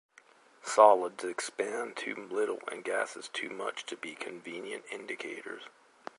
Solids expand too little and gases too much to be convenient indicators.